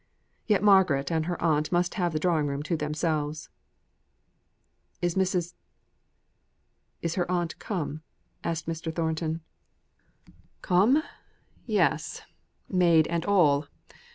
Yet Margaret and her aunt must have the drawing room to themselves!" "Is Mrs. is her aunt come?" asked Mr. Thornton. "Come? Yes! maid and all.